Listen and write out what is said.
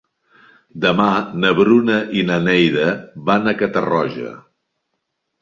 Demà na Bruna i na Neida van a Catarroja.